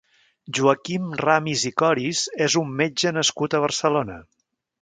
Joaquim Ramis i Coris és un metge nascut a Barcelona.